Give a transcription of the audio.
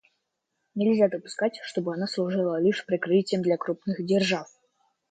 Нельзя допускать, чтобы она служила лишь прикрытием для крупных держав.